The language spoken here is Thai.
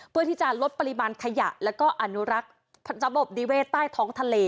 เพื่อที่จะลดปริมาณขยะแล้วก็อนุรักษ์ระบบนิเวศใต้ท้องทะเล